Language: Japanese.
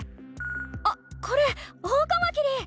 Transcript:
あっこれオオカマキリ！